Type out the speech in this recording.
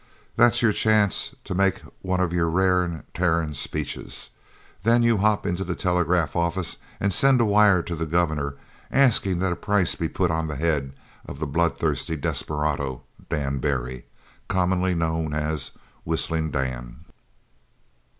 "That's your chance to make one of your rarin', tarin' speeches. Then you hop into the telegraph office an' send a wire to the Governor askin' that a price be put on the head of the bloodthirsty desperado, Dan Barry, commonly known as Whistlin' Dan."